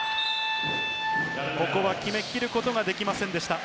ここは決めきることはできませんでした。